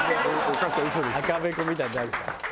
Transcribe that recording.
赤べこみたいになるから。